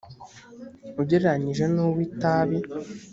ugereranyije n uw itabi